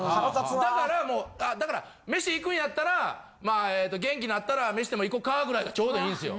だからもうだから飯行くんやったらまあえっと元気なったら飯でも行こかぐらいがちょうどいいんすよ。